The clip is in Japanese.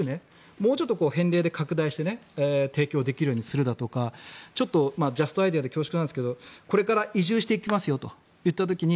もうちょっと返礼で拡大して提供できるようにするだとかちょっとジャストアイデアで恐縮なんですがこれから移住していきますよといった時に